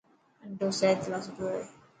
آنڊو سحت لاءِ سٺو هي.